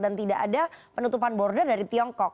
dan tidak ada penutupan border dari tiongkok